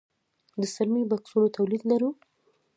د څرمي بکسونو تولید لرو؟